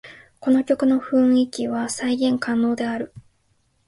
この曲の雰囲気は再現可能である